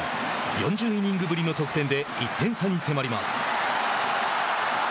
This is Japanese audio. ４０イニングぶりの得点で１点差に迫ります。